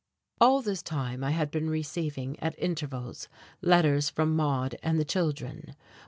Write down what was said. All this time I had been receiving, at intervals, letters from Maude and the children.